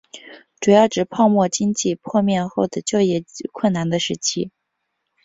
主要指泡沫经济破灭后的就业困难的时期。